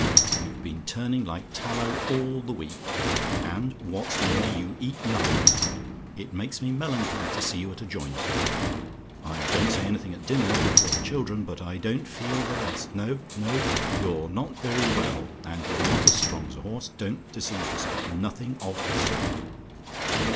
You've been turning like tallow all the week; and what's more, you eat nothing now. It makes me melancholy to see you at a joint. I don't say anything at dinner before the children; but I don't feel the less. No, no; you're not very well; and you're not as strong as a horse. Don't deceive yourself nothing of the sort.